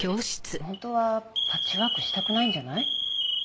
本当はパッチワークしたくないんじゃない？